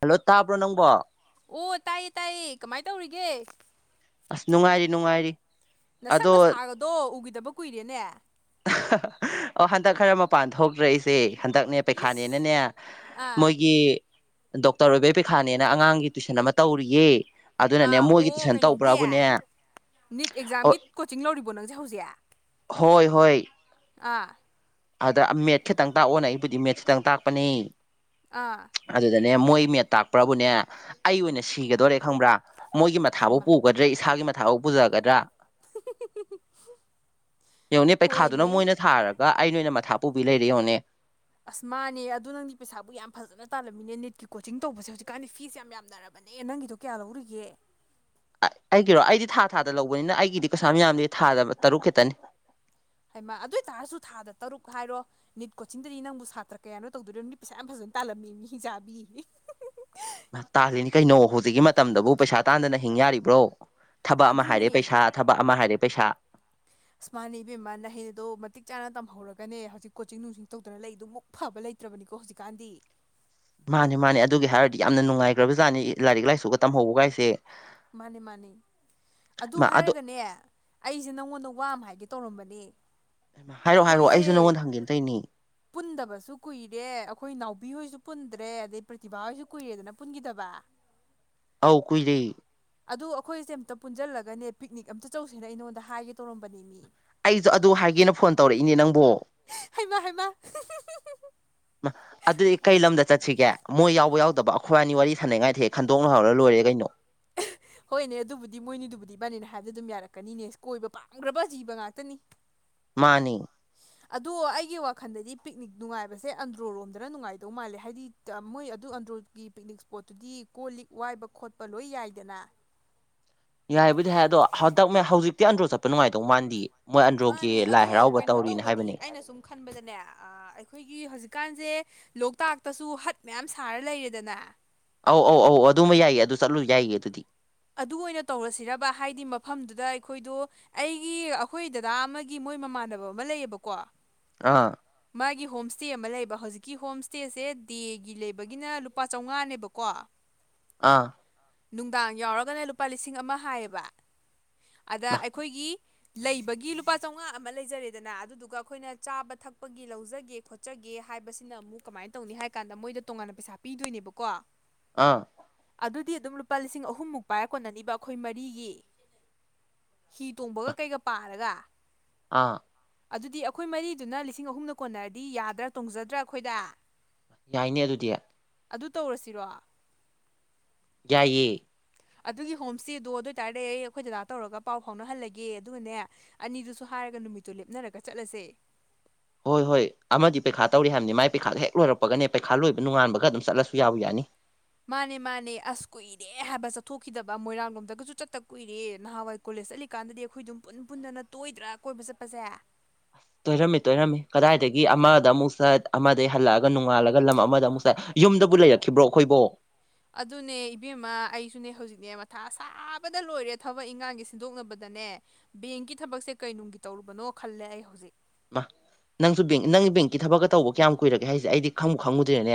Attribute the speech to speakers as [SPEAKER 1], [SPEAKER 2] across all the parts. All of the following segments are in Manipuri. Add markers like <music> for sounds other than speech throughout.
[SPEAKER 1] ꯍꯜꯂꯣ ꯇꯥꯕ꯭ꯔꯣ ꯅꯪꯕꯣ
[SPEAKER 2] ꯑꯣ ꯇꯥꯏꯌꯦ ꯇꯥꯏꯌꯦ ꯀꯃꯥꯏ ꯇꯧꯔꯤꯒꯦ
[SPEAKER 1] ꯑꯁ ꯅꯨꯡꯉꯥꯏꯔꯤ ꯅꯨꯡꯉꯥꯏꯔꯤ
[SPEAKER 2] ꯅꯁꯛ
[SPEAKER 1] ꯑꯗꯣ
[SPEAKER 2] ꯅꯁꯥꯒꯗꯣ ꯎꯒꯤꯗꯕ ꯀꯨꯏꯔꯦꯅꯦ
[SPEAKER 1] ꯑꯣ ꯍꯟꯇꯛ ꯈꯔ ꯃꯄꯥꯟ ꯊꯣꯛꯇ꯭ꯔꯦ ꯑꯩꯁꯦ ꯍꯟꯗꯛꯅꯦ
[SPEAKER 2] ꯏꯁ
[SPEAKER 1] ꯄꯩꯈꯥꯅꯦꯅꯅꯦ
[SPEAKER 2] ꯑꯥ
[SPEAKER 1] ꯃꯣꯏꯒꯤ ꯗꯣꯛꯇꯔ ꯑꯣꯏꯕꯩ ꯄꯩ ꯈꯥꯅꯦꯅ ꯑꯉꯥꯡꯒꯤ ꯇꯨꯏꯁꯟ ꯑꯃ ꯇꯧꯔꯤꯌꯦ ꯑꯗꯨꯅꯅꯦ
[SPEAKER 2] ꯑꯥ
[SPEAKER 1] ꯃꯣꯏꯒꯤ
[SPEAKER 2] ꯑꯣ
[SPEAKER 1] ꯇꯨꯏꯁꯟ
[SPEAKER 2] ꯀꯩꯅꯣꯒꯤ
[SPEAKER 1] ꯇꯧꯕ꯭ꯔꯕꯨꯅꯦ
[SPEAKER 2] ꯅꯤꯠ ꯑꯦꯛꯖꯥꯝꯒꯤ ꯀꯣꯆꯤꯡ ꯂꯧꯔꯤꯕꯣ ꯅꯪꯖꯦ ꯍꯧꯖꯤꯛ
[SPEAKER 1] ꯍꯣꯏ ꯍꯣꯏ
[SPEAKER 2] ꯑꯥ
[SPEAKER 1] ꯑꯗꯨꯗ ꯃꯦꯠꯁ ꯈꯤꯇꯪ ꯇꯥꯛꯑꯣꯅ ꯑꯩꯕꯨꯗꯤ ꯃꯦꯠꯁ ꯈꯤꯇꯪ ꯇꯥꯛꯄꯅꯦ
[SPEAKER 2] ꯑꯥ
[SPEAKER 1] ꯑꯗꯨꯗꯅꯦ ꯃꯣꯏ ꯃꯦꯠ ꯇꯥꯛꯄ꯭ꯔꯕꯨꯅꯦ ꯑꯩ ꯑꯣꯏꯅ ꯁꯤꯒꯗꯣꯔꯦ ꯈꯪꯕ꯭ꯔꯥ ꯃꯣꯏꯒꯤ ꯃꯊꯥꯕꯨꯥꯎ
[SPEAKER 2] ꯍꯩꯃꯥ
[SPEAKER 1] ꯄꯨ ꯎꯒꯗ꯭ꯔꯦ ꯏꯁꯥꯒꯤ ꯃꯊꯥꯕꯨ ꯄꯨꯖꯒꯗ꯭ꯔꯥ ꯌꯦꯡꯉꯣꯅꯦ ꯄꯩꯈꯥꯗꯨꯅ
[SPEAKER 2] ꯍꯣꯏꯅꯦ
[SPEAKER 1] ꯃꯣꯏꯅ ꯊꯥꯔꯒ ꯑꯩ ꯅ ꯑꯣꯏꯅ ꯃꯊꯥ ꯄꯨꯕꯤ ꯂꯩꯔꯤ ꯌꯦꯉꯣꯅꯦ
[SPEAKER 2] ꯑꯁ ꯃꯥꯅꯦ ꯑ ꯑꯗꯨ ꯅꯪꯗꯤ ꯄꯩꯁꯥꯕꯨ ꯌꯥꯝ ꯐꯖꯅ ꯇꯥꯜꯂꯝꯃꯤꯅꯦ ꯅꯦꯠꯀꯤ ꯀꯣꯆꯤꯡ ꯇꯧꯕꯁꯦ ꯍꯧꯖꯤꯛꯀꯥꯟꯗꯤ ꯐꯤꯁꯦ ꯌꯥꯝ ꯌꯥꯝꯅꯔꯕꯅꯦ ꯐꯕꯅꯦ ꯅꯪꯒꯤꯗꯣ ꯀꯌꯥ ꯂꯧꯔꯤꯒꯦ
[SPEAKER 1] ꯑꯩꯒꯤꯔꯣ ꯑꯩꯗꯤ ꯊꯥ ꯊꯥꯗ ꯂꯧꯕꯅꯤꯅ ꯑꯩꯒꯤꯗꯤ ꯀꯩꯁꯥ ꯃꯤꯌꯥꯝꯗꯤ ꯊꯥꯗ ꯇꯔꯨꯛ ꯈꯤꯇꯅꯤ
[SPEAKER 2] ꯍꯩꯃꯥ ꯑꯗꯨꯏ ꯇꯥꯔꯁꯨ ꯊꯥꯗ ꯇꯔꯨꯛ ꯍꯥꯏꯔꯣ ꯅꯤꯠ ꯀꯣꯆꯤꯡꯗꯗꯤ ꯅꯪꯕꯨ ꯁꯥꯇ꯭ꯔ ꯀꯌꯥꯅꯣ ꯇꯧꯗꯣꯔꯤꯕꯣ ꯅꯗꯤ ꯄꯩꯁꯥ ꯌꯥꯝ ꯐꯖꯅ ꯇꯥꯜꯂꯝꯦꯃꯤ ꯍꯤꯡꯆꯥꯕꯤ
[SPEAKER 1] ꯇꯥꯜꯂꯤꯅꯤ ꯀꯩꯅꯣ ꯍꯧꯖꯤꯛꯀꯤ ꯃꯇꯝꯗꯕꯨ ꯄꯩꯁꯥ ꯇꯥꯟꯗꯅ ꯍꯤꯡ ꯌꯥꯔꯤꯕ꯭ꯔꯣ ꯊꯕꯛ ꯑꯃ ꯍꯥꯏꯔꯦ
[SPEAKER 2] ꯑꯗꯨꯅꯦ
[SPEAKER 1] ꯄꯩꯁꯥ ꯊꯕꯛ ꯑꯃ ꯍꯥꯏꯔꯦ ꯄꯩꯁꯥ
[SPEAKER 2] ꯃꯥꯅ ꯏꯕꯦꯝꯃ ꯅꯍꯩꯗꯣ ꯃꯇꯤꯛ ꯆꯅ ꯇꯝꯍꯧꯔꯒꯅꯦ ꯍꯧꯖꯤꯛ ꯀꯣꯆꯤꯡ ꯅꯨꯡꯆꯤꯡ ꯇꯧꯗꯅ ꯂꯩꯗꯨ ꯃꯨꯛ ꯐꯕ ꯂꯩꯇ꯭ꯔꯕꯅꯤꯀꯣ ꯍꯧꯖꯤꯛꯀꯥꯟꯗꯤ
[SPEAKER 1] ꯃꯥꯅꯦ ꯃꯥꯅꯦ ꯑꯗꯨꯒꯤ ꯍꯥꯏꯔꯗꯤ ꯌꯥꯝꯅ ꯅꯨꯡꯉꯥꯏꯈ꯭ꯔꯕ ꯖꯥꯠꯅꯤ ꯂꯥꯏꯔꯤꯛ ꯂꯥꯏꯁꯨꯒ ꯇꯝꯍꯧꯕꯒꯥꯏꯁꯦ
[SPEAKER 2] ꯃꯥꯅꯤ ꯃꯥꯅꯤ ꯑꯗꯨ
[SPEAKER 1] ꯃꯥ ꯑꯗꯣ
[SPEAKER 2] ꯍꯥꯏꯔꯒꯅꯦ ꯑꯩꯁꯦ ꯅꯉꯣꯟꯗ ꯋꯥ ꯍꯥꯏꯒꯦ ꯇꯧꯔꯝꯕꯅꯤ
[SPEAKER 1] ꯍꯥꯏꯔꯛꯑꯣ ꯍꯥꯏꯔꯛꯑꯣ ꯑꯩꯁꯨ ꯅꯉꯣꯟꯗ ꯍꯪꯒꯦ ꯇꯩꯅꯤ
[SPEAKER 2] ꯄꯨꯟꯗꯕꯁꯨ ꯀꯨꯏꯔꯦ ꯑꯩꯈꯣꯏ ꯅꯥꯎꯕꯤ ꯍꯣꯏꯁꯨ ꯄꯨꯟꯗ꯭ꯔꯦ ꯑꯗꯩ ꯄ꯭ꯔꯇꯤꯚꯥ ꯍꯣꯏꯁꯨ ꯀꯨꯏꯔꯦꯗꯅ ꯄꯨꯟꯈꯤꯗꯕ
[SPEAKER 1] ꯑꯥꯎ ꯀꯨꯏꯔꯦ
[SPEAKER 2] ꯑꯗꯨ ꯑꯩꯈꯣꯏꯁꯦ ꯑꯃꯝꯇ ꯄꯨꯟꯁꯤꯜꯂꯒꯅꯦ ꯄꯤꯛꯅꯤꯛ ꯑꯝꯇ ꯆꯧꯁꯦꯅ ꯑꯩꯉꯣꯟꯗ ꯍꯥꯏꯒꯦ ꯇꯧꯔꯝꯕꯅꯤ ꯃꯤ
[SPEAKER 1] ꯑꯩꯁꯨ ꯑꯗꯨ ꯍꯥꯏꯒꯦꯅ ꯐꯣꯟ ꯇꯧꯔꯛꯏꯅꯦ ꯅꯪꯕꯣ
[SPEAKER 2] ꯍꯩꯃꯥ ꯍꯩꯃꯥ
[SPEAKER 1] ꯑꯗꯨꯗꯤ ꯀꯩ ꯂꯝꯗ ꯆꯠꯁꯤꯒꯦ ꯃꯣꯏ ꯌꯥꯎꯕ ꯌꯥꯎꯗꯕ ꯈꯨꯋꯥꯅꯤ ꯋꯥꯔꯤ ꯁꯥꯅꯩꯉꯩꯗ ꯍꯦꯛ ꯈꯟꯗꯣꯛꯅ ꯍꯧꯔꯒ ꯂꯣꯏꯔꯦ ꯀꯩꯅꯣ
[SPEAKER 2] ꯍꯣꯏꯅꯦ ꯑꯗꯨꯕꯨꯗꯤ ꯃꯣꯏꯅꯤꯗꯨꯕꯨꯗꯤ ꯏꯕꯥꯅꯤꯅ ꯍꯥꯏꯕꯗ ꯑꯗꯨꯝ ꯌꯥꯔꯛꯀꯅꯤꯅꯦ ꯀꯣꯏꯕ ꯄꯥꯝꯈ꯭ꯔꯕ ꯖꯤꯕ ꯉꯥꯛꯇꯅꯤ
[SPEAKER 1] ꯃꯥꯅꯤ
[SPEAKER 2] ꯑꯗꯣ ꯑꯩꯒꯤ ꯋꯥꯈꯟꯗꯗꯤ ꯄꯤꯛꯅꯤꯛ ꯅꯨꯡꯉꯥꯏꯕꯁꯦ ꯑꯟꯗ꯭ꯔꯣ ꯔꯣꯝꯗꯅ ꯅꯨꯡꯉꯥꯏꯗꯧ ꯃꯥꯜꯂꯦ ꯍꯥꯏꯕꯗꯤ ꯃꯣꯏ ꯑꯗꯨ ꯑꯟꯗ꯭ꯔꯣꯒꯤ ꯄꯤꯛꯅꯤꯛ ꯏꯁ꯭ꯄꯣꯠꯇꯨꯗꯤ ꯀꯣꯜ ꯂꯤꯛ ꯋꯥꯏꯕ ꯈꯣꯠꯄ ꯂꯣꯏ ꯌꯥꯏꯗꯅ
[SPEAKER 1] ꯌꯥꯏꯕꯨꯗꯤ ꯍꯥꯏ ꯑꯗꯣ ꯍꯟꯗꯛ ꯍꯧꯖꯤꯛꯇꯤ ꯑꯟꯗ꯭ꯔꯣ ꯆꯠꯄ ꯅꯨꯡꯉꯥꯏꯇꯧ ꯃꯥꯟꯗꯤꯌꯦ ꯃꯣꯏ ꯑꯟꯗ꯭ꯔꯣꯒꯤ
[SPEAKER 2] ꯃꯥꯅꯦ
[SPEAKER 1] ꯂꯥꯏ
[SPEAKER 2] ꯑꯗꯣ
[SPEAKER 1] ꯍꯔꯥꯎꯕ
[SPEAKER 2] ꯀꯩꯅꯣ
[SPEAKER 1] ꯇꯧꯔꯤꯅ ꯍꯥꯏꯕꯅꯦ
[SPEAKER 2] ꯇꯧꯕꯗꯤ ꯑꯩꯅ ꯁꯨꯝ ꯈꯟꯕꯗꯅꯦ ꯑꯩꯈꯣꯏꯒꯤ ꯍꯧꯖꯤꯛꯀꯥꯟꯁꯦ ꯂꯣꯛꯇꯥꯛꯇꯁꯨ ꯍꯠ ꯃꯌꯥꯝ ꯁꯥꯔ ꯂꯩꯔꯦꯗꯅꯦ
[SPEAKER 1] ꯑꯧ ꯑꯧ ꯑꯧ ꯑꯗꯨꯃ ꯌꯥꯏꯌꯦ ꯑꯗꯨ ꯆꯠꯂꯨ ꯌꯥꯏꯌꯦ ꯑꯗꯨꯗꯤ
[SPEAKER 2] ꯑꯗꯨ ꯑꯣꯏꯅ ꯇꯧꯔꯁꯤꯔꯕ ꯍꯥꯏꯗꯤ ꯃꯐꯝꯗꯨꯗ ꯑꯩꯈꯣꯏꯗꯣ ꯑꯩꯒꯤ ꯑꯩꯈꯣꯏ ꯗꯗꯥ ꯑꯃꯒꯤ ꯃꯣꯏ ꯃꯃꯥꯟꯅꯕ ꯑꯃ ꯂꯩꯌꯦꯕꯀꯣ
[SPEAKER 1] ꯑꯥ
[SPEAKER 2] ꯃꯥꯒꯤ ꯍꯣꯝꯁ꯭ꯇꯦ ꯑꯃ ꯂꯩꯕ ꯍꯧꯖꯤꯛꯀꯤ ꯍꯣꯝ ꯁ꯭ꯇꯦꯁꯦ ꯗꯦꯒꯤ ꯂꯩꯕꯒꯤꯅ ꯂꯨꯄꯥ ꯆꯥꯝꯉꯥꯅꯦꯕꯀꯣ
[SPEAKER 1] ꯑꯥ
[SPEAKER 2] ꯅꯨꯡꯗꯥꯡ ꯌꯥꯎꯔꯒꯅ ꯂꯨꯄꯥ ꯂꯤꯁꯤꯡ ꯑꯃ ꯍꯥꯏꯌꯦꯕ ꯑꯗ
[SPEAKER 1] ꯃꯥ
[SPEAKER 2] ꯑꯩꯈꯣꯏꯒꯤ ꯂꯩꯕꯒꯤ ꯂꯨꯄꯥ ꯆꯥꯃꯉꯥ ꯑꯃ ꯂꯩꯖꯔꯦꯗꯅ ꯑꯗꯨꯗꯨꯒ ꯑꯩꯈꯣꯏꯅ ꯆꯥꯕ ꯊꯛꯄꯒꯤ ꯂꯧꯖꯒꯦ ꯆꯠꯆꯒꯦ ꯍꯥꯏꯕꯁꯤꯅ ꯑꯃꯨꯛ ꯀꯃꯥꯏꯅ ꯇꯧꯅꯤ ꯍꯥꯏ ꯀꯥꯟꯗ ꯃꯣꯏꯗ ꯇꯣꯉꯥꯟꯅ ꯄꯩꯁꯥ ꯄꯤꯗꯣꯏꯅꯦꯕꯀꯣ
[SPEAKER 1] ꯑꯥ
[SPEAKER 2] ꯑꯗꯨꯗꯤ ꯑꯗꯨꯝ ꯂꯨꯄꯥ ꯂꯤꯁꯤꯡ ꯑꯍꯨꯝꯃꯨꯛ ꯄꯥꯏꯔ ꯀꯣꯟꯅꯅꯤꯕ ꯑꯩꯈꯣꯏ ꯃꯔꯤꯒꯤ ꯍꯤ ꯇꯣꯡꯕꯒ ꯀꯩꯒ ꯄꯥꯔꯒ
[SPEAKER 1] ꯑꯥ
[SPEAKER 2] ꯑꯗꯨꯗꯤ ꯑꯩꯈꯣꯏ ꯃꯔꯤꯗꯨꯅ ꯂꯤꯁꯤꯡ ꯑꯍꯨꯝꯅ ꯀꯣꯟꯅꯔꯗꯤ ꯌꯥꯗ꯭ꯔꯥ ꯇꯣꯡꯖꯗ꯭ꯔꯥ ꯑꯩꯈꯣꯏꯗ
[SPEAKER 1] ꯌꯥꯏꯅꯦ ꯑꯗꯨꯗꯤ
[SPEAKER 2] ꯑꯗꯨ ꯇꯧꯔꯁꯤꯔꯣ
[SPEAKER 1] ꯌꯥꯏꯌꯦ
[SPEAKER 2] ꯑꯗꯨꯒꯤ ꯍꯣꯝ ꯁ꯭ꯇꯦꯗꯣ ꯑꯗꯨ ꯑꯣꯏꯇꯥꯔꯗꯤ ꯑꯩꯈꯣꯏ ꯗꯗꯥ ꯇꯧꯔꯒ ꯄꯥꯎ ꯐꯥꯎꯅꯍꯜꯂꯒꯦ ꯑꯗꯨꯒꯅꯦ ꯑꯅꯤꯗꯨꯁꯨ ꯍꯥꯏꯔꯒ ꯅꯨꯃꯤꯠꯇꯨ ꯂꯦꯞꯅꯔꯒ ꯆꯠꯂꯁꯦ
[SPEAKER 1] ꯍꯣꯏ ꯍꯣꯏ ꯑꯃꯗꯤ ꯄꯩꯈꯥ ꯇꯧꯔꯤ ꯍꯥꯏꯕꯅꯤ ꯃꯥꯏ ꯄꯩꯈꯥꯗ ꯍꯦꯛ ꯂꯣꯏꯔꯛꯄꯒꯅꯦ ꯄꯩꯈꯥ ꯂꯣꯏꯕ ꯅꯨꯡꯉꯥꯟꯕꯒ ꯑꯗꯨꯝ ꯆꯠꯂꯁꯨ ꯌꯥꯕꯨ ꯌꯥꯅꯤ
[SPEAKER 2] ꯃꯥꯅꯦ ꯃꯥꯅꯦ ꯑꯁ ꯀꯨꯏꯔꯦ ꯍꯥꯏꯕ ꯆꯠꯊꯣꯛꯈꯤꯗꯕ ꯃꯣꯏꯔꯥꯡꯂꯣꯝꯗꯒꯁꯨ ꯆꯠꯇ ꯀꯨꯏꯔꯦ ꯅꯍꯥꯟꯋꯥꯏ ꯀꯣꯂꯦꯖ ꯆꯠꯂꯤꯀꯥꯟꯗꯗꯤ ꯑꯩꯈꯣꯏ ꯑꯗꯨꯝ ꯄꯨꯟ ꯄꯨꯟꯗꯅ ꯇꯣꯏꯗ꯭ꯔꯥ ꯀꯣꯏꯕ ꯆꯠꯄꯁꯦ
[SPEAKER 1] ꯇꯣꯏꯔꯝꯃꯦ ꯇꯣꯏꯔꯝꯃꯤ ꯀꯗꯥꯏꯗꯒꯤ ꯑꯃꯗ ꯑꯃꯨꯛ ꯆꯠ ꯑꯃꯗꯩ ꯍꯜꯂꯛꯑꯒ ꯅꯣꯡꯉꯥꯜꯂꯒ ꯂꯝ ꯑꯃꯗ ꯑꯃꯨꯛ ꯆꯠ ꯌꯨꯝꯗꯕꯨ ꯂꯩꯔꯛꯈꯤꯕ꯭ꯔꯣ ꯑꯩꯈꯣꯏꯕꯣ꯫
[SPEAKER 2] ꯑꯗꯨꯅꯦ ꯏꯕꯦꯝꯃ ꯑꯩꯁꯨꯅꯦ ꯍꯧꯖꯤꯛꯅꯦ ꯃꯊꯥ ꯁꯥꯕꯗ ꯂꯣꯏꯔꯦ ꯊꯕꯛ ꯏꯪꯈꯥꯡꯒꯤ ꯁꯤꯟꯗꯣꯛꯅꯕꯗꯅꯦ ꯕꯦꯡꯀꯤ ꯊꯕꯛꯁꯦ ꯀꯩꯅꯨꯡꯒꯤ ꯇꯧꯔꯨꯕꯅꯣ ꯈꯜꯂꯦ ꯑꯩ ꯍꯧꯖꯤꯛ꯫
[SPEAKER 1] ꯃꯥ ꯅꯪꯁꯨ ꯕꯦꯡ ꯅꯪ ꯕꯦꯡꯀꯤ ꯊꯕꯛꯀ ꯇꯧꯕ ꯀꯌꯥꯝ ꯀꯨꯏꯔꯒꯦ ꯍꯥꯏꯁꯦ ꯑꯩꯗꯤ ꯈꯪꯉꯨ ꯈꯪꯉꯨꯗ꯭ꯔꯦꯅꯦ꯫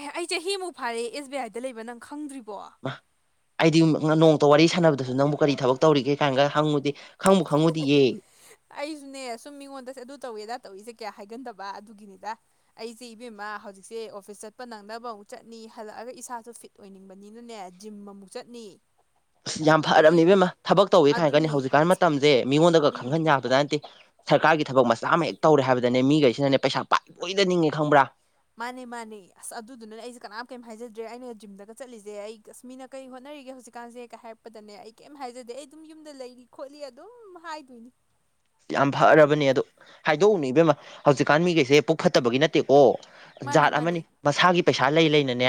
[SPEAKER 2] ꯑꯦ ꯍ ꯑꯩ ꯆꯍꯤꯃꯨꯛ ꯐꯥꯔꯦ ꯑꯦꯁ ꯕꯤ ꯑꯥꯏꯗ ꯂꯩꯕ ꯅꯪ ꯈꯪꯗ꯭ꯔꯤꯕꯣ꯫
[SPEAKER 1] ꯃ ꯑꯩꯗꯤ ꯅꯣꯡꯃꯇ ꯋꯥꯔꯤ ꯁꯥꯟꯅꯕꯗꯁꯨ ꯅꯪꯕꯨ ꯀꯔꯤ ꯊꯕꯛ ꯇꯧꯔꯤꯒꯦ ꯀꯥꯏꯅꯒ ꯍꯪꯉꯨꯗꯦ꯫ ꯈꯪꯕꯨꯨ ꯈꯪꯉꯨꯗꯤꯌꯦ꯫
[SPEAKER 2] ꯑꯩꯁꯨꯅꯦ ꯁꯨꯝ ꯃꯤꯉꯣꯟꯗꯁꯨ ꯑꯗꯨ ꯇꯧꯋꯦꯗ ꯑꯗꯥ ꯇꯧꯔꯤꯁꯦ ꯀꯌꯥ ꯍꯥꯏꯒꯟꯗꯕ ꯑꯗꯨꯒꯤꯅꯤꯗ꯫ ꯑꯩꯁꯦ ꯏꯕꯦꯝꯃ ꯍꯧꯖꯤꯛꯁꯦ ꯑꯣꯐꯤꯁ ꯆꯠꯄ ꯅꯪꯅꯕ ꯑꯃꯨꯛ ꯆꯠꯅꯤ ꯍꯜꯂꯛꯑꯒ ꯏꯁꯥꯁꯨ ꯐꯤꯠ ꯇꯣꯏꯅꯤꯡꯕꯅꯤꯅꯅꯦ ꯖꯤꯝ ꯑꯃꯨꯛ ꯆꯠꯅꯤ꯫
[SPEAKER 1] <inaudible> ꯑꯁ ꯌꯥꯝ ꯐꯔꯕꯅꯤ
[SPEAKER 2] ꯑꯗꯒꯤ
[SPEAKER 1] ꯏꯕꯦꯝꯃ ꯊꯕꯛ ꯇꯧꯋꯦ ꯀꯥꯏꯅꯒꯅꯤ
[SPEAKER 2] ꯑꯗꯨꯅꯤ
[SPEAKER 1] ꯍꯧꯖꯤꯛꯀꯥꯟ ꯃꯇꯝꯁꯦ ꯃꯤꯉꯣꯟꯗꯒ ꯈꯪꯍꯟ
[SPEAKER 2] ꯎꯝ
[SPEAKER 1] ꯌꯥꯕꯥꯖꯥꯟꯇꯦ꯫ ꯁꯔꯀꯥꯔꯒꯤ ꯊꯕꯛ ꯃꯆꯥ ꯑꯃ ꯍꯦꯛ ꯇꯧꯔꯦ ꯍꯥꯏꯕꯗꯅꯦ ꯃꯤꯈꯩꯁꯤꯅꯅꯦ ꯄꯩꯁꯥ ꯄꯥꯏ ꯄꯣꯏꯗ ꯅꯤꯡꯉꯦ ꯈꯪꯕ꯭ꯔꯥ꯫
[SPEAKER 2] ꯃꯥꯅꯦ ꯃꯥꯅꯦ ꯑꯁ ꯑꯗꯨꯗꯨꯅꯅꯦ ꯑꯩꯁꯦ ꯀꯅꯥꯝ ꯀꯩꯝ ꯍꯥꯏꯖꯗ꯭ꯔꯦ ꯑꯩꯅ ꯖꯤꯝꯗꯒ ꯆꯠꯂꯤꯁꯦ ꯑꯩ ꯑꯁꯃꯤꯅ ꯀꯩ ꯍꯣꯠꯅꯔꯤꯒꯦ ꯍꯧꯖꯤꯛꯀꯥꯟꯁꯦ ꯀ ꯍꯥꯏꯔꯛꯄꯗꯅꯦ ꯑꯩ ꯀꯩꯝ ꯍꯥꯏꯖꯗꯦ ꯑꯩ ꯑꯗꯨꯝ ꯌꯨꯝꯗ ꯂꯩꯔꯤ ꯈꯣꯠꯂꯤ ꯑꯗꯨꯝ ꯍꯥꯏꯗꯣꯏꯅꯤ꯫
[SPEAKER 1] ꯌꯥꯝ ꯐꯔꯕꯅꯦ ꯑꯗꯨ ꯍꯥꯏꯗꯣꯛꯎꯅꯨ ꯏꯕꯦꯝꯃ ꯍꯧꯖꯤꯛꯀꯥꯟ ꯃꯤꯈꯩꯁꯦ ꯄꯨꯛ ꯐꯠꯇꯕꯒꯤ ꯅꯠꯇꯦꯀꯣ
[SPEAKER 2] ꯃꯥꯅꯦ
[SPEAKER 1] ꯖꯥꯠ ꯑꯃꯅꯤ
[SPEAKER 2] ꯃꯥꯅꯦ
[SPEAKER 1] ꯃꯁꯥꯒꯤ ꯄꯩꯁꯥ ꯂꯩ ꯂꯩꯅꯅꯦ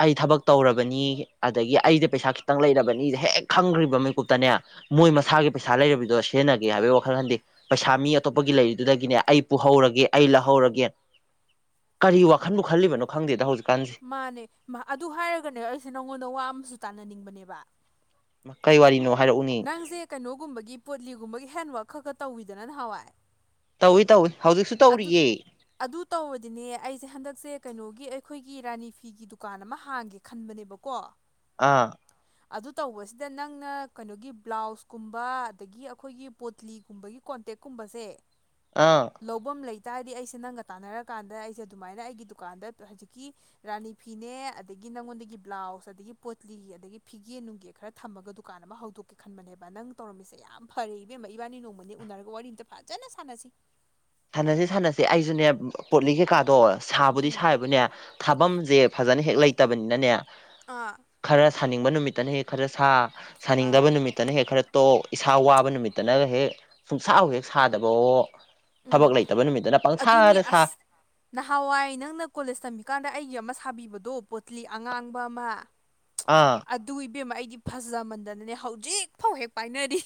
[SPEAKER 1] ꯑꯩ ꯊꯕꯛ ꯇꯧꯔꯕꯅꯤ ꯑꯗꯒꯤ ꯑꯩꯗ ꯄꯩꯁꯥ ꯈꯤꯇꯪ ꯂꯩꯔꯕꯅꯤ ꯍꯦꯛ ꯈꯪꯈ꯭ꯔꯤꯕ ꯃꯤꯀꯨꯞꯇꯅꯦ ꯃꯣꯏ ꯃꯁꯥꯒꯤ ꯄꯩꯁꯥ ꯂꯩꯔꯤꯕꯗꯣ ꯁꯤꯖꯟꯅꯒꯦ ꯍꯥꯏꯕꯩ ꯋꯥꯛ ꯈꯪꯍꯟꯗꯦ ꯄꯩꯁꯥ ꯃꯤ ꯑꯇꯣꯞꯄꯒꯤ ꯂꯩꯔꯤꯗꯨꯗꯒꯤꯅꯦ ꯑꯩ ꯄꯨꯍꯧꯔꯒꯦ ꯑꯩ ꯂꯧꯍꯧꯔꯒꯦ꯫ ꯀꯔꯤ ꯋꯥꯈꯟꯕꯨ ꯈꯜꯂꯤꯕꯅꯣ ꯈꯪꯗꯦꯗ ꯍꯧꯖꯤꯛꯀꯥꯟꯁꯦ꯫
[SPEAKER 2] ꯃꯥꯅꯦ ꯑꯗꯨ ꯍꯥꯏꯔꯒꯅꯦ ꯑꯩꯁꯦ ꯅꯪꯉꯣꯟꯗ ꯋꯥ ꯑꯃꯁꯨ ꯇꯥꯟꯅꯅꯤꯡꯕꯅꯦꯕ꯫
[SPEAKER 1] ꯃꯥ ꯀꯩ ꯋꯥꯔꯤꯅꯣ ꯍꯥꯏꯔꯛꯎꯅꯤ
[SPEAKER 2] ꯅꯪꯁꯦ ꯀꯩꯅꯣꯒꯨꯝꯕꯒꯤ ꯄꯣꯠꯂꯤꯒꯨꯝꯕꯒꯤ ꯍꯦꯟꯋꯥꯛ ꯈꯛ ꯈ ꯇꯧꯋꯤꯗꯅ ꯅꯍꯥꯋꯥꯏ
[SPEAKER 1] ꯇꯧꯏ ꯇꯧꯏ ꯍꯧꯖꯤꯛꯁꯨ ꯇꯧꯔꯤꯌꯦ
[SPEAKER 2] ꯑꯗꯨ ꯇꯧꯔꯗꯤꯅꯦ ꯑꯩꯖꯦ ꯍꯟꯗꯛꯁꯦ ꯀꯩꯅꯣꯒꯤ ꯑꯩꯈꯣꯏꯒꯤ ꯔꯥꯅꯤ ꯐꯤꯒꯤ ꯗꯨꯀꯥꯟ ꯑꯃ ꯍꯥꯡꯒꯦ ꯈꯟꯕꯅꯦꯕ ꯀꯣ
[SPEAKER 1] ꯑꯥ
[SPEAKER 2] ꯑꯗꯨ ꯇꯧꯕꯁꯤꯗ ꯅꯪꯅ ꯀꯩꯅꯣꯒꯤ ꯕ꯭ꯂꯥꯎꯁꯀꯨꯝꯕ ꯑꯗꯒꯤ ꯑꯩꯈꯣꯏꯒꯤ ꯄꯣꯠꯂꯤꯒꯨꯝꯕꯒꯤ ꯀꯣꯟꯇꯦꯛꯀꯨꯝꯕꯁꯦ
[SPEAKER 1] ꯑꯥ
[SPEAKER 2] ꯂꯧꯕꯝ ꯂꯩꯇꯥꯥꯔꯗꯤ ꯑꯩꯁꯦ ꯅꯪꯒ ꯇꯥꯟꯅꯔꯀꯥꯟꯗ ꯑꯩꯖꯦ ꯑꯗꯨꯃꯥꯏꯅ ꯑꯩꯒꯤ ꯗꯨꯀꯥꯟꯗ ꯍꯖꯤꯛꯀꯤ ꯔꯥꯅꯤ ꯐꯤꯅꯦ ꯑꯗꯒꯤ ꯅꯪꯉꯣꯟꯗꯒꯤ ꯕ꯭ꯂꯥꯎꯁ ꯑꯗꯒꯤ ꯄꯣꯠꯂꯤ ꯑꯗꯒꯤ ꯐꯤꯒꯦ ꯅꯨꯡꯒꯦ ꯈꯔ ꯊꯝꯃꯒ ꯗꯨꯀꯥꯟ ꯑꯃ ꯍꯧꯗꯣꯛꯀꯦ ꯈꯟꯕꯅꯦꯕ ꯅꯪ ꯇꯧꯔꯝꯃꯤꯁꯦ ꯌꯥꯝ ꯐꯔꯦ ꯏꯕꯦꯝꯃꯥ ꯏꯕꯥꯅꯤ ꯅꯣꯡꯃꯥꯅꯦ ꯎꯅꯔꯒ ꯋꯥꯔꯤ ꯑꯝꯇ ꯐꯖꯅ ꯁꯥꯟꯅꯁꯤ
[SPEAKER 1] ꯁꯥꯟꯅꯁꯤ ꯁꯥꯟꯅꯁꯤ ꯑꯩꯖꯨꯅꯦ ꯄꯣꯠꯂꯤ ꯀꯩꯀꯥꯗꯣ ꯁꯥꯕꯨꯗꯤ
[SPEAKER 2] ꯎꯝ
[SPEAKER 1] ꯁꯥꯥꯏꯕꯨꯅꯦ ꯊꯥꯕꯝꯖꯦ ꯐꯖꯅ ꯍꯦꯛ ꯂꯩꯇꯕꯅꯤꯅꯅꯦ
[SPEAKER 2] ꯑꯥ
[SPEAKER 1] ꯈꯔ ꯁꯥꯅꯤꯡꯕ ꯅꯨꯃꯤꯠꯇꯅ ꯍꯦ ꯈꯔ ꯁꯥ
[SPEAKER 2] ꯑꯥ
[SPEAKER 1] ꯁꯥꯅꯤꯡꯗꯕ ꯅꯨꯃꯤꯠ ꯇꯅ ꯍꯦꯛ ꯈꯔ ꯇꯣꯛ ꯏꯁꯥ ꯋꯥꯕ ꯅꯨꯃꯤꯠꯇꯥꯅꯒ ꯍꯦꯛ ꯁꯨꯡꯁꯥꯕꯨ ꯍꯦꯛ ꯁꯥꯗꯕꯋꯣ ꯊꯕꯛ
[SPEAKER 2] ꯎꯝ
[SPEAKER 1] ꯂꯩꯇꯕ ꯅꯨꯃꯤꯠꯇꯥꯅ ꯄꯪꯁꯥꯗ ꯁꯥꯥ
[SPEAKER 2] ꯅꯍꯥꯋꯥꯏ ꯅꯪꯅ ꯀꯣꯂꯦꯁ ꯇꯝꯃꯤꯀꯥꯟꯗ ꯑꯩꯒꯤ ꯑꯃ ꯁꯥꯕꯤꯕꯗꯣ ꯄꯣꯠꯂꯤ ꯑꯉꯥꯡꯕ ꯑꯃ
[SPEAKER 1] ꯑꯥ
[SPEAKER 2] ꯑꯗꯨ ꯏꯕꯦꯝꯃꯥ ꯑꯩꯗꯤ ꯐꯖꯥ ꯃꯟꯗꯅꯅꯦ ꯍꯧꯖꯤꯛ ꯐꯥꯎ ꯍꯦꯛ ꯄꯥꯏꯅꯔꯤ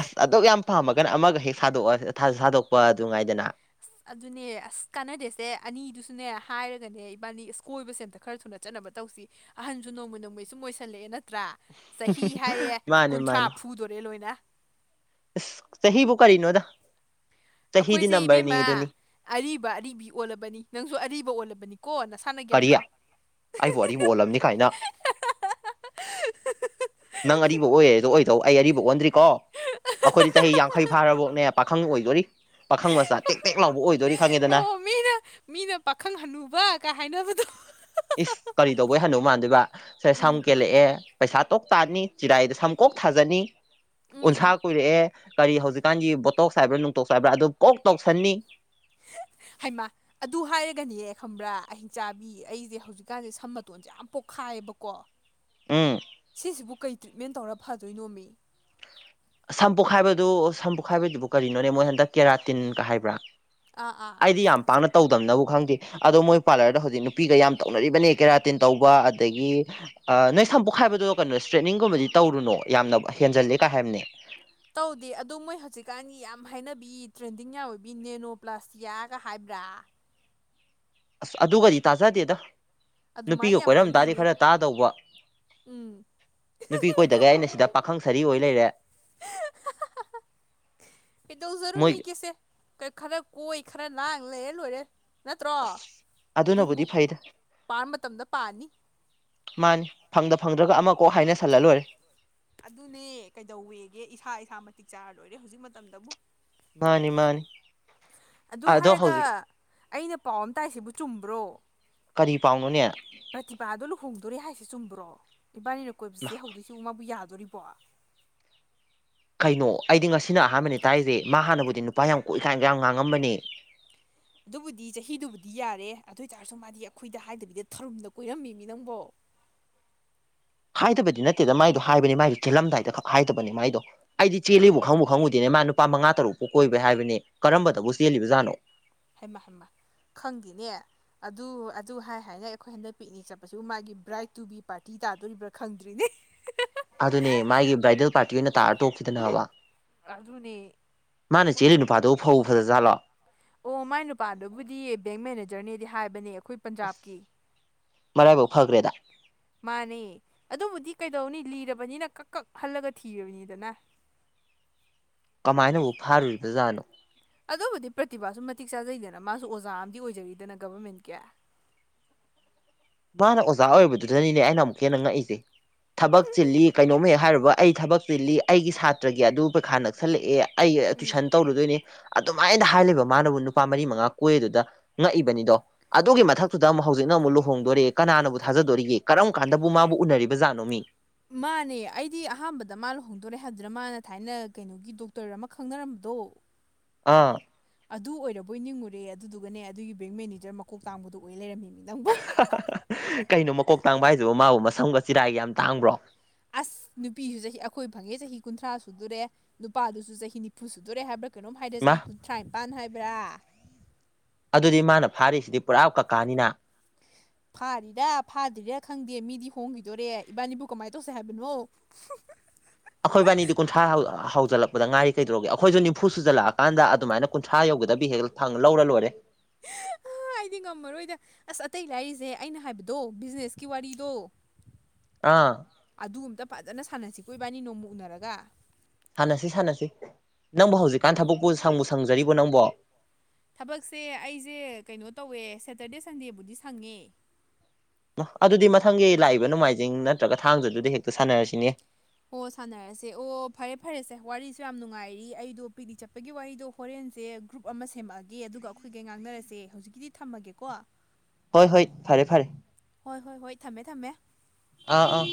[SPEAKER 1] ꯑꯁ ꯑꯗꯨꯛ ꯌꯥꯝ ꯄꯥꯝꯃꯒꯅ ꯑꯃꯒ ꯍꯦꯛ ꯁꯥꯗꯣꯛꯑꯥ ꯊꯥ ꯁꯥꯗꯣꯛꯄ ꯑꯗꯨ ꯉꯥꯏꯗꯅ
[SPEAKER 2] ꯑꯁ ꯑꯗꯨꯅꯦ ꯑꯁ ꯀꯥꯟꯅꯗꯦꯁꯦ ꯑꯅꯤꯗꯨꯁꯨꯅꯦ ꯍꯥꯏꯔꯒꯅꯦ ꯏꯕꯥꯅꯤ ꯏꯁ ꯀꯣꯏꯕꯁꯦ ꯑꯝꯇ ꯈꯔ ꯊꯨꯅ ꯆꯠꯅꯕ ꯇꯧꯁꯤ ꯑꯍꯟꯁꯨ ꯅꯣꯡꯃꯩ ꯅꯣꯡꯃꯩ ꯁꯨꯝ ꯑꯣꯏꯁꯜꯂꯛꯑꯦ ꯅꯠꯇ꯭ꯔꯥ ꯆꯍꯤ ꯍꯥꯏꯔꯦ
[SPEAKER 1] ꯃꯥꯅꯤ
[SPEAKER 2] ꯀꯨꯟꯊ꯭ꯔꯥ ꯐꯨꯗꯣꯔꯦ ꯂꯣꯏꯅ
[SPEAKER 1] ꯏꯁ ꯆꯍꯤꯕꯨ ꯀꯔꯤꯅꯣꯗ ꯆꯍꯤꯗꯤ
[SPEAKER 2] ꯑꯈꯣꯏꯁꯦ ꯏꯕꯦꯝꯃ
[SPEAKER 1] ꯅꯝꯕꯔꯅꯤꯗꯨꯅꯤ
[SPEAKER 2] ꯑꯔꯤꯕ ꯑꯔꯤꯕꯤ ꯑꯣꯜꯂꯕꯅꯤ ꯅꯪꯁꯨ ꯑꯔꯤꯕ ꯑꯣꯜꯂꯕꯅꯤ ꯀꯣ ꯅꯁꯅꯥ ꯒ꯭ꯌꯥꯟ ꯇꯥꯎ
[SPEAKER 1] ꯂꯝꯅꯤ ꯀꯥꯏꯅ ꯅꯪ ꯑꯔꯤꯕ ꯑꯣꯏꯌꯦꯗꯣ ꯑꯣꯏꯗꯧ ꯑꯩ ꯑꯔꯤꯕ ꯑꯣꯟꯗ꯭ꯔꯤꯀꯣ ꯑꯈꯣꯏꯗꯤ ꯆꯍꯤ ꯌꯥꯡꯈꯩ ꯐꯥꯔꯕꯣꯛꯅꯦ ꯄꯥꯈꯪ ꯑꯣꯏꯗꯣꯔꯤ ꯄꯥꯈꯪ ꯃꯆꯥ ꯇꯦꯛ ꯇꯦꯛ ꯂꯥꯎꯕ ꯑꯣꯏꯗꯣꯔꯤ ꯈꯪꯉꯦꯗꯅ
[SPEAKER 2] ꯑꯣ ꯃꯤꯅ ꯃꯤꯅ ꯄꯥꯈꯪ ꯍꯟꯅꯨꯕꯀꯥ ꯍꯥꯏꯅꯕꯗꯨ
[SPEAKER 1] ꯏꯁ ꯀꯔꯤ ꯇꯧꯕꯩ ꯍꯅꯨ ꯃꯥꯟꯗꯨꯏꯕ ꯁꯦ ꯁꯝ
[SPEAKER 2] ꯎꯝ
[SPEAKER 1] ꯀꯦꯜꯂꯛꯑꯦ ꯄꯩꯁꯥ ꯇꯣꯛ ꯇꯥꯟꯅꯤ ꯆꯤꯔꯥꯏꯗ ꯁꯝꯀꯣꯛ ꯊꯥꯖꯟꯅꯤ ꯎꯟꯁꯥ
[SPEAKER 2] ꯎꯝ
[SPEAKER 1] ꯀꯨꯏꯔꯛꯑꯦ ꯀꯔꯤ ꯍꯧꯖꯤꯛꯀꯥꯟꯒꯤ ꯕꯣꯇꯣꯛꯁ ꯍꯥꯏꯕ꯭ꯔꯥ ꯅꯨꯡꯇꯣꯛꯁ ꯍꯥꯏꯕ꯭ꯔꯥ ꯑꯗꯨ ꯀꯣꯛ ꯇꯧꯁꯟꯅꯤ
[SPEAKER 2] ꯍꯥꯏꯃ ꯑꯗꯨ ꯍꯥꯏꯔꯒꯅꯦ ꯈꯪꯕ꯭ꯔꯥ ꯑꯍꯤꯡꯆꯥꯕꯤ ꯑꯩꯖꯦ ꯍꯧꯖꯤꯛꯀꯥꯟꯖꯦ ꯁꯝ ꯃꯇꯣꯟ ꯌꯥꯝ ꯄꯣꯛꯈꯥꯏꯕꯀꯣ
[SPEAKER 1] ꯎꯝ
[SPEAKER 2] ꯁꯤꯁꯤꯕꯨ ꯀꯩ ꯇ꯭ꯔꯤꯠꯃꯦꯟ ꯇꯧꯔ ꯐꯗꯣꯏꯅꯣ ꯃꯤ
[SPEAKER 1] ꯁꯝꯄꯣꯈꯥꯏꯕꯗꯨ ꯁꯝꯄꯨꯈꯥꯏꯕꯗꯨꯕꯨ ꯀꯔꯤꯅꯣꯅꯦ ꯃꯣꯏ ꯍꯟꯗꯛ ꯀꯦꯔꯥꯇꯤꯟꯒꯥ ꯍꯥꯏꯕ꯭ꯔꯥ
[SPEAKER 2] ꯑꯥ ꯑꯥ
[SPEAKER 1] ꯑꯩꯗꯤ ꯌꯥꯝ ꯄꯥꯛꯅ ꯇꯧꯗꯝꯅꯕꯨ ꯈꯪꯗꯦ ꯑꯗꯣ ꯃꯣꯏ ꯄꯥꯔꯂꯔꯗ ꯍꯧꯖꯤꯛ ꯅꯨꯄꯤꯒꯥ ꯌꯥꯝ ꯇꯧꯅꯔꯤꯕꯅꯦ ꯀꯦꯔꯥꯇꯤꯟ ꯇꯧꯕ ꯑꯗꯒꯤ ꯑꯥ ꯅꯣꯏ ꯁꯝ ꯄꯣꯈꯥꯏꯕꯗꯣ ꯀꯩꯅꯣ ꯏꯁꯇ꯭ꯔꯦꯠꯅꯤꯡꯒꯨꯝꯕꯗꯤ ꯇꯧꯔꯨꯅꯣ ꯌꯥꯝꯅ ꯍꯦꯟꯖꯜꯂꯦ ꯀꯥꯏ ꯍꯥꯏꯕꯅꯦ
[SPEAKER 2] ꯇꯧꯗꯦ ꯑꯗꯨ ꯃꯣꯏ ꯍꯧꯖꯤꯛꯀꯥꯟꯒꯤ ꯌꯥꯝ ꯍꯥꯏꯅꯕꯤ ꯇ꯭ꯔꯦꯟꯗꯤꯡ ꯌꯥꯎꯋꯤꯕꯤ ꯅꯦꯅꯣ ꯄ꯭ꯂꯥꯁꯇꯤꯌꯥꯒ ꯍꯥꯏꯕ꯭ꯔꯥ
[SPEAKER 1] ꯑꯁ ꯑꯗꯨꯒꯗꯤ ꯇꯥꯖꯗꯦꯗ ꯅꯨꯄꯤꯒ
[SPEAKER 2] ꯑꯗꯨꯃꯥꯏꯅ ꯌꯥꯝ
[SPEAKER 1] ꯀꯣꯏꯔꯝ ꯇꯥꯗꯤ
[SPEAKER 2] ꯍꯥꯏꯅꯩꯅꯦ
[SPEAKER 1] ꯈꯔ ꯇꯥꯗꯧꯕ
[SPEAKER 2] ꯎꯝ
[SPEAKER 1] ꯅꯨꯄꯤ ꯀꯣꯏꯗꯒꯩ ꯑꯩꯅ ꯁꯤꯗ ꯄꯥꯈꯪ ꯁꯔꯤ ꯑꯣꯏ ꯂꯩꯔꯦ ꯃꯣꯏ
[SPEAKER 2] ꯀꯩꯗꯧꯖꯔꯨꯅꯤꯒꯦ ꯁꯦ ꯀꯩ ꯈꯔ ꯀꯣꯏ ꯈꯔ ꯂꯥꯡ ꯂꯩꯔ ꯂꯣꯏꯔꯦ ꯅꯠꯇ꯭ꯔꯣ ꯌꯨꯝꯕꯨ
[SPEAKER 1] ꯑꯗꯨꯅꯕꯨꯗꯤ ꯐꯩꯗ
[SPEAKER 2] ꯄꯥꯟ ꯃꯇꯝꯗ ꯄꯥꯟꯅꯤ
[SPEAKER 1] ꯃꯥꯅꯤ ꯐꯪꯗ ꯐꯪꯗ꯭ꯔꯒ ꯑꯃ ꯀꯣꯛ ꯍꯥꯏꯅ ꯁꯜꯂꯥ ꯂꯣꯏꯔꯦ
[SPEAKER 2] ꯑꯗꯨꯅꯦ ꯀꯩꯗꯧꯋꯦꯒꯦ ꯏꯁꯥ ꯏꯁꯥ ꯃꯇꯤꯛ ꯆꯥꯔꯥ ꯂꯣꯏꯔꯦ ꯍꯨꯖꯤꯛ ꯃꯇꯝꯗꯕꯨ
[SPEAKER 1] ꯃꯥꯅꯤ ꯃꯥꯅꯤ
[SPEAKER 2] ꯑꯗꯨ
[SPEAKER 1] ꯑꯗꯣ
[SPEAKER 2] ꯍꯥꯏꯔꯒ
[SPEAKER 1] ꯍꯧꯖꯤꯛ
[SPEAKER 2] ꯑꯩꯅ ꯄꯥꯎ ꯑꯃ ꯇꯥꯏꯁꯤꯕꯨ ꯆꯨꯝꯕ꯭ꯔꯣ
[SPEAKER 1] ꯀꯔꯤ ꯄꯥꯎꯅꯣꯅꯦ
[SPEAKER 2] ꯔꯥꯇꯤꯄꯥꯗꯣ ꯂꯨꯍꯣꯡꯗꯣꯔꯦ ꯍꯥꯏꯁꯤ ꯆꯨꯝꯕ꯭ꯔꯣ ꯏꯕꯥꯅꯤꯅ ꯀꯣꯏꯕꯁꯦ ꯍꯧꯗꯣꯏꯁꯤꯕꯨ ꯃꯥꯕꯨ ꯌꯥꯗꯣꯔꯤꯕꯣ
[SPEAKER 1] ꯀꯩꯅꯣ ꯑꯩꯗꯤ ꯉꯁꯤꯅ ꯑꯍꯥꯟꯕꯅꯦ ꯇꯥꯏꯔꯤꯁꯦ ꯃꯥ ꯍꯥꯟꯅꯕꯨꯗꯤ ꯅꯨꯄꯥ ꯌꯥꯝ ꯀꯣꯛꯀꯥꯏꯅ ꯉꯥꯡꯉꯝꯕꯅꯦ
[SPEAKER 2] ꯑꯗꯨꯕꯨꯗꯤ ꯆꯍꯤꯗꯨꯕꯨꯗꯤ ꯌꯥꯔꯦ ꯑꯗꯨ ꯑꯣꯏꯇꯥꯔꯁꯨ ꯃꯥꯗꯤ ꯑꯩꯈꯣꯏꯗ ꯍꯥꯏꯗꯕꯤꯗ ꯊꯔꯨꯝꯗ ꯀꯣꯏꯔꯝꯃꯤꯅꯦ ꯅꯪꯕꯣ
[SPEAKER 1] ꯍꯥꯏꯗꯕꯗꯤ ꯅꯠꯇꯦꯗ ꯃꯥꯏꯗꯣ ꯍꯥꯏꯕꯅꯤ ꯃꯥꯏꯗꯤ ꯊꯤꯜꯂꯝꯗꯥꯏꯗ ꯈꯛ ꯍꯥꯏꯗꯕꯅꯤ ꯃꯥꯏꯗꯣ ꯑꯩꯗꯤ ꯆꯦꯜꯂꯤꯕꯨ ꯈꯪꯕꯨ ꯈꯪꯉꯨꯗꯦꯅꯦ ꯃꯥ ꯅꯨꯄꯥ ꯃꯉꯥ ꯇꯔꯨꯛꯄꯨ ꯀꯣꯏꯕ ꯍꯥꯏꯕꯅꯦ ꯀꯔꯝꯗꯕꯨ ꯆꯦꯜꯂꯤꯕꯖꯥꯠꯅꯣ
[SPEAKER 2] ꯍꯩꯃ ꯍꯩꯃ ꯈꯪꯗꯦꯅꯦ ꯑꯗꯨ ꯑꯗꯨ ꯍꯥꯏ ꯍꯥꯏꯅ ꯑꯩꯈꯣꯏ ꯍꯟꯗꯛ ꯄꯤꯛꯅꯤꯛ ꯆꯠꯄꯁꯤꯕꯨ ꯃꯥꯒꯤ ꯕ꯭ꯔꯥꯏꯗ ꯇꯨꯒꯤꯕꯤ ꯄꯥꯔꯇꯤ ꯇꯥꯗꯣꯔꯤꯕ꯭ꯔꯥ ꯈꯪꯗ꯭ꯔꯤꯅꯦ
[SPEAKER 1] ꯑꯗꯨꯅꯦ ꯃꯥꯒꯤ ꯕ꯭ꯔꯥꯏꯗꯦꯜ ꯄꯥꯔꯇꯤ ꯑꯣꯏꯅ ꯇꯥꯔ ꯇꯣꯛꯈꯤꯗꯅꯕ
[SPEAKER 2] ꯑꯗꯨꯅꯦ
[SPEAKER 1] ꯃꯥꯅ ꯆꯦꯜꯂꯤ ꯅꯨꯄꯥꯗꯨ ꯐꯕꯨ ꯐꯖꯖꯥꯠꯂꯣ
[SPEAKER 2] ꯑꯣ ꯃꯥꯏ ꯅꯨꯄꯥꯗꯨꯕꯨꯗꯤ ꯕꯦꯡ ꯃꯦꯅꯦꯖꯔꯅꯦꯗꯤ ꯍꯥꯏꯕꯅꯦ ꯑꯩꯈꯣꯏ ꯄꯟꯖꯥꯞꯀꯤ
[SPEAKER 1] ꯃꯔꯥꯏꯕꯥꯛ ꯐꯈ꯭ꯔꯦꯗ
[SPEAKER 2] ꯃꯥꯅꯦ ꯑꯗꯨꯕꯨꯗꯤ ꯀꯩꯗꯧꯅꯤ ꯂꯤꯔꯕꯅꯤꯅ ꯀꯛ ꯀꯛ ꯍꯜꯂꯒ ꯊꯤꯔꯕꯅꯤꯗꯅ
[SPEAKER 1] ꯀꯃꯥꯏꯅꯕꯨ ꯐꯥꯔꯨꯔꯤꯕꯖꯥꯠꯅꯣ
[SPEAKER 2] ꯑꯗꯨꯕꯨꯗꯤ ꯄ꯭ꯔꯇꯤꯚꯥꯁꯨ ꯃꯇꯤꯛ ꯆꯥꯖꯩꯗꯅ ꯃꯥꯁꯨ ꯑꯣꯖꯥ ꯑꯃꯗꯤ ꯑꯣꯏꯖꯔꯤꯗꯅ ꯒꯕꯔꯃꯦꯟ ꯀꯦ
[SPEAKER 1] ꯃꯥꯅ ꯑꯣꯖꯥ ꯑꯣꯏꯕꯗꯨꯅꯤꯅꯦ ꯑꯩꯅ ꯑꯃꯨꯛ ꯍꯦꯟꯅ ꯉꯛꯏꯁꯦ ꯊꯕꯛ ꯆꯤꯜꯂꯤ ꯀꯩꯅꯣꯝꯃ ꯍꯦꯛ ꯍꯥꯏꯔꯨꯕ ꯑꯩ ꯊꯕꯛ ꯆꯤꯜꯂꯤ ꯑꯩꯒꯤ ꯁꯥꯇ꯭ꯔꯒꯤ ꯑꯗꯨ ꯄꯩꯈꯥ ꯅꯛꯁꯜꯂꯛꯑꯦ ꯑꯩ
[SPEAKER 2] ꯎꯝ
[SPEAKER 1] ꯇꯨꯏꯁꯟ ꯇꯧꯔꯨꯗꯣꯏꯅꯤ ꯑꯗꯨꯃꯥꯏꯅ ꯍꯥꯏꯔꯤꯕ ꯃꯥꯅꯕꯨ ꯅꯨꯄꯥ ꯃꯔꯤ ꯃꯉꯥ ꯀꯣꯏ ꯑꯗꯨꯗ ꯉꯛꯏꯕꯅꯤꯗꯣ ꯑꯗꯨꯒꯤ ꯃꯊꯛꯇꯨꯗ ꯑꯃꯨꯛ ꯍꯧꯖꯤꯛꯅ ꯑꯃꯨꯛ ꯂꯨ ꯂꯨꯍꯣꯡꯗꯧꯔꯦꯌꯦ ꯀꯅꯥꯅꯕꯨ ꯊꯥꯖꯗꯣꯔꯤꯒꯦ ꯀꯔꯝ ꯀꯥꯟꯗꯕꯨ ꯃꯥꯕꯨ ꯎꯅꯔꯤꯕꯖꯥꯠꯅꯣ ꯃꯤ
[SPEAKER 2] ꯃꯥꯅꯦ ꯑꯩꯗꯤ ꯑꯍꯥꯟꯕꯗ ꯃꯥ ꯂꯨꯍꯣꯡꯗꯣꯔꯦ ꯍꯥꯏꯕꯗꯨꯅ ꯃꯥꯅ ꯊꯥꯏꯅ ꯀꯩꯅꯣꯒꯤ ꯗꯣꯛꯇꯔ ꯑꯃ ꯈꯪꯅꯔꯝꯕꯗꯣ
[SPEAKER 1] ꯑꯥ
[SPEAKER 2] ꯑꯗꯨ ꯑꯣꯏꯔꯕꯣꯏ ꯅꯤꯡꯉꯨꯔꯦ ꯑꯗꯨꯗꯨꯒꯅꯦ ꯑꯗꯨꯒꯤ ꯕꯦꯡ ꯃꯦꯅꯦꯖꯔ ꯃꯀꯣꯛ ꯇꯥꯡꯕꯗꯨ ꯑꯣꯏ ꯂꯩꯔꯝꯃꯤꯅꯦ ꯅꯪꯕꯨ
[SPEAKER 1] ꯀꯩꯅꯣ ꯃꯀꯣꯛ ꯇꯥꯡꯕ ꯍꯥꯏꯁꯤꯕꯨ ꯃꯥꯕꯨ ꯃꯁꯝꯒ ꯆꯤꯔꯥꯏꯒ ꯌꯥꯝ ꯇꯥꯡꯕ꯭ꯔꯣ
[SPEAKER 2] ꯑꯁ ꯅꯨꯄꯤꯁꯨ ꯆꯍꯤ ꯑꯩꯈꯣꯏ ꯐꯪꯉꯦ ꯆꯍꯤ ꯀꯨꯟꯊ꯭ꯔꯥ ꯁꯨꯗꯨꯔꯦ ꯅꯨꯄꯥꯗꯨꯁꯨ ꯆꯍꯤ ꯅꯤꯐꯨ ꯁꯨꯗꯨꯔꯦ ꯍꯥꯏꯕ ꯀꯩꯅꯣꯝ ꯍꯥꯏꯗ ꯆꯍꯤ
[SPEAKER 1] ꯏꯃꯥ
[SPEAKER 2] ꯀꯨꯟꯊ꯭ꯔꯥ ꯅꯤꯄꯥꯟ ꯍꯥꯏꯕ꯭ꯔꯥ
[SPEAKER 1] ꯑꯗꯨꯗꯤ ꯃꯥꯅ ꯐꯥꯔꯤꯁꯤꯗꯤ ꯄꯨꯔꯥ ꯀꯀꯥꯅꯤꯅ
[SPEAKER 2] ꯐꯥꯔꯤꯔꯥ ꯐꯥꯗ꯭ꯔꯤꯔꯥ ꯈꯪꯗꯦ ꯃꯤꯗꯤ ꯍꯣꯡꯈꯤꯗꯣꯔꯦ ꯏꯕꯥꯅꯤꯕꯨ ꯀꯃꯥꯏꯅ ꯇꯧꯁꯦ ꯍꯥꯏꯕꯅꯣ
[SPEAKER 1] <inaudible> ꯑꯩꯈꯣꯏꯕꯥꯅꯤꯗꯤ ꯀꯨꯟꯊ꯭ꯔꯥ ꯍꯧꯜꯂꯛꯄꯗ ꯉꯔꯤ ꯀꯩꯗꯧꯒꯦ ꯑꯩꯈꯣꯏꯁꯨ ꯅꯤꯐꯨ ꯁꯨꯖꯤꯜꯂꯛꯑꯀꯥꯟꯗ ꯑꯗꯨꯃꯥꯏꯅ ꯀꯨꯟꯊ꯭ꯔꯥ ꯌꯧꯒꯗꯕꯤ ꯍꯦꯛ ꯐꯪ ꯂꯧꯔ ꯂꯣꯏꯔꯦ
[SPEAKER 2] ꯥꯑꯩꯗꯤ ꯉꯝꯃꯔꯣꯏꯗ ꯑꯁ ꯑꯇꯩ ꯂꯥꯏꯔꯤꯁꯦ ꯑꯩꯅ ꯍꯥꯏꯕꯗꯣ ꯕꯤꯖꯤꯅꯦꯁꯀꯤ ꯋꯥꯔꯤꯗꯣ
[SPEAKER 1] ꯑꯥ
[SPEAKER 2] ꯑꯗꯨ ꯑꯝꯇ ꯐꯖꯅ ꯁꯥꯟꯅꯁꯤꯀꯣ ꯏꯕꯥꯅꯤ ꯅꯣꯡꯃ ꯎꯅꯔꯒ
[SPEAKER 1] ꯁꯥꯟꯅꯁꯤ ꯁꯥꯟꯅꯁꯤ ꯅꯪꯕꯨ ꯍꯧꯖꯤꯛꯀꯥꯟ ꯊꯕꯛꯄꯨ ꯁꯪꯕꯨ ꯁꯪꯖꯔꯤꯕꯣ ꯅꯪꯕꯣ
[SPEAKER 2] ꯊꯕꯛꯁꯦ ꯑꯩꯁꯦ ꯀꯩꯅꯣ ꯇꯧꯋꯦ ꯁꯦꯇꯔꯗꯦ ꯁꯟꯗꯦꯕꯨꯗꯤ ꯁꯪꯉꯦ
[SPEAKER 1] ꯑꯗꯨꯗꯤ ꯃꯊꯪꯒꯤ ꯂꯥꯛꯏꯕ ꯅꯣꯡꯃꯥꯏꯖꯤꯡ ꯅꯠꯇ꯭ꯔꯒ ꯊꯥꯡꯖꯗꯨꯗꯤ ꯍꯦꯛꯇ ꯁꯥꯟꯅꯔꯁꯤꯅꯦ
[SPEAKER 2] ꯑꯣ ꯁꯥꯟꯅꯔꯁꯦ ꯑꯣ ꯐꯔꯦ ꯐꯔꯦꯁꯦ ꯋꯥꯔꯤꯁꯨ ꯌꯥꯝ ꯅꯨꯡꯉꯥꯏꯔꯤ ꯑꯩꯗꯣ ꯄꯤꯛꯅꯤꯛ ꯆꯠꯄꯒꯤ ꯋꯥꯔꯤꯗꯣ ꯐꯣꯔꯦꯟꯁꯦ ꯒ꯭ꯔꯨꯞ ꯑꯃ ꯁꯦꯝꯃꯛꯑꯒꯦ ꯑꯗꯨꯒ ꯑꯩꯈꯣꯏꯒꯩ ꯉꯥꯡꯅꯔꯁꯦ ꯍꯧꯖꯤꯛꯀꯤꯗꯤ ꯊꯝꯃꯒꯦꯀꯣ
[SPEAKER 1] ꯍꯣꯏ ꯍꯣꯏ ꯐꯔꯦ ꯐꯔꯦ
[SPEAKER 2] ꯍꯣꯏ ꯍꯣꯏ ꯍꯣꯏ ꯊꯝꯃꯦ ꯊꯝꯃꯦ
[SPEAKER 1] ꯑꯥ ꯑꯥ